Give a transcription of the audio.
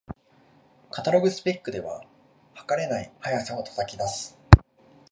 カタログスペックでは、はかれない速さを叩き出す